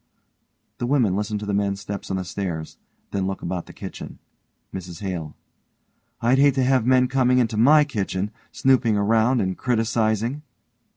(The women listen to the men's steps on the stairs, then look about the kitchen.) MRS HALE: I'd hate to have men coming into my kitchen, snooping around and criticising.